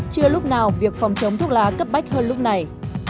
chưa lúc nào việc phòng chống thuốc lá cấp bách hơn lúc này